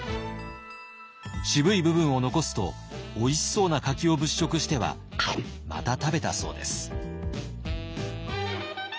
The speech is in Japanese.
渋い部分を残すとおいしそうな柿を物色してはまた食べたそうです。